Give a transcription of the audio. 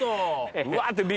うわーって。